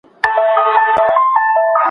ټول به دي خپل وي غلیمان او رقیبان به نه وي